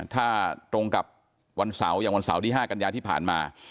ถ้าตรงกับวันเสาร์อย่างวันเสาร์ที่๕กันยาที่ผ่านมา